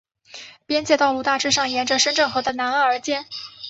边界道路大致上沿着深圳河的南岸而建。